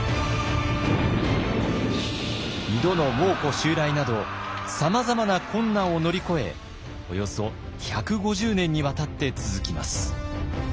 二度の蒙古襲来などさまざまな困難を乗り越えおよそ１５０年にわたって続きます。